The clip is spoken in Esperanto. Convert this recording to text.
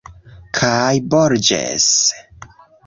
Kaj Borĝes...